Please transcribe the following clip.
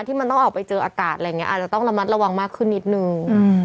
ที่มันต้องออกไปเจออากาศอะไรอย่างนี้อาจจะต้องระมัดระวังมากขึ้นนิดนึง